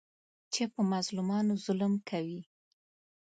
چې په مظلومانو ظلم کوي.